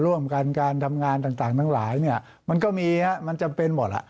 ร่วมกันการทำงานต่างทั้งหลายเนี่ยมันก็มีมันจำเป็นหมด